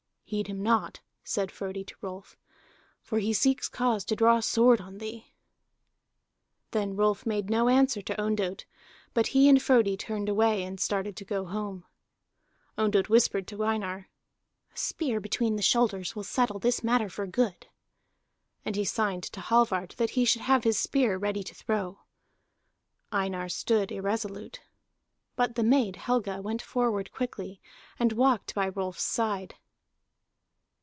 "Heed him not," said Frodi to Rolf, "for he seeks cause to draw sword on thee." Then Rolf made no answer to Ondott, but he and Frodi turned away and started to go home. Ondott whispered to Einar: "A spear between the shoulders will settle this matter for good." And he signed to Hallvard that he should have his spear ready to throw. Einar stood irresolute. But the maid Helga went forward quickly and walked by Rolf's side.